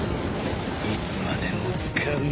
いつまでもつかな。